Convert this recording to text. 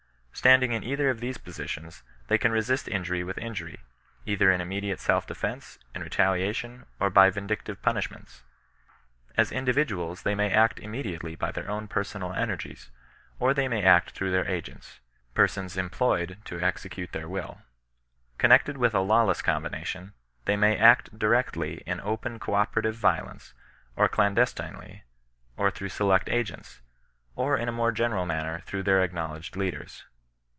Standing IB either of these positions, they can resist injury wiui 14 CHRISTIAN NON BESISTANOE. injuiy, either in immediate self defence, in retaliation, ox by yindictive punishments. As individuals they may act immediately by their own personal energies, or they may act through their agents — persons employed to exe cute their will. Connected with a lawless combination, they may act directly in open co operative violence, or clandestinely, or through select agents, or in a more ge neral manner through their acknowledged leaders.